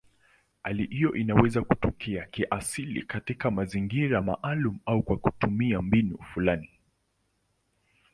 Hali hiyo inaweza kutokea kiasili katika mazingira maalumu au kwa kutumia mbinu fulani.